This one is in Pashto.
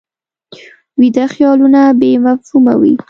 ویده خیالونه بې مفهومه وي